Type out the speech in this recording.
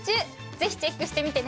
ぜひチェックしてみてね。